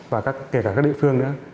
và kể cả các địa phương nữa